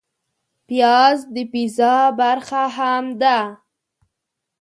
پیاز د پیزا برخه هم ده